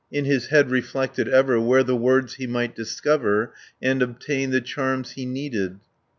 In his head reflected ever. Where the words he might discover, And obtain the charms he needed.